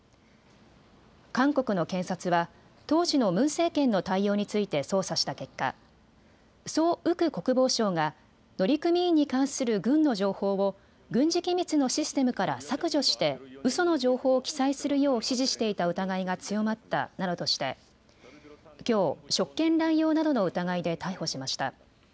韓国の検察は当時のムン政権の対応について捜査した結果、ソ・ウク国防相が乗組員に関する軍の情報を軍事機密のシステムから削除してうその情報を記載するよう指示していた疑いが強まったなどとしてきょう職権乱用などの疑いで逮捕しました。